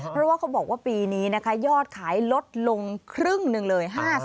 เพราะว่าเขาบอกว่าปีนี้นะคะยอดขายลดลงครึ่งหนึ่งเลย๕๐